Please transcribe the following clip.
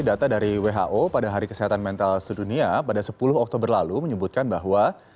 data dari who pada hari kesehatan mental sedunia pada sepuluh oktober lalu menyebutkan bahwa